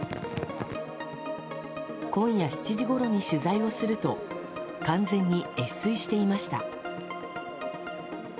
今夜７時ごろに取材をすると完全に越水していました。